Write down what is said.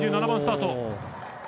１７番スタート。